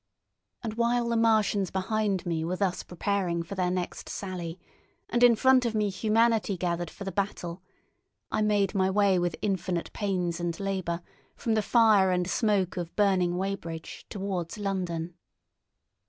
And while the Martians behind me were thus preparing for their next sally, and in front of me Humanity gathered for the battle, I made my way with infinite pains and labour from the fire and smoke of burning Weybridge towards London.